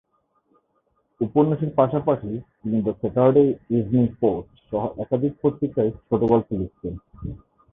উপন্যাসের পাশাপাশি তিনি "দ্য স্যাটারডে ইভনিং পোস্ট"-সহ একাধিক পত্রিকায় ছোটগল্প লিখতেন।